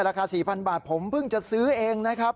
ราคา๔๐๐บาทผมเพิ่งจะซื้อเองนะครับ